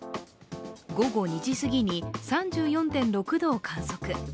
午後２時すぎに３４．６度を観測。